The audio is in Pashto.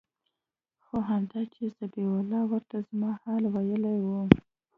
خو همدا چې ذبيح الله ورته زما حال ويلى و.